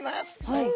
はい。